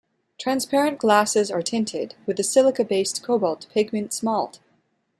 Transparent glasses are tinted with the silica-based cobalt pigment smalt.